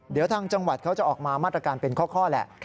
เดี๋ยวทางจังหวัดเขาจะออกมามาตรการเป็นข้อแหละ